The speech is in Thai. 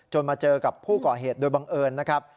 มาเจอกับผู้ก่อเหตุโดยบังเอิญนะครับ